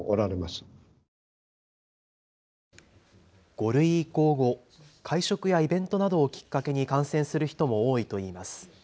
５類移行後、会食やイベントなどをきっかけに感染する人も多いといいます。